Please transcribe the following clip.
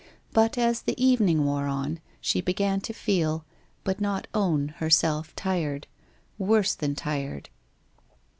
But as the evening wore on, she began to feel, but not own, herself tired — worse than tired.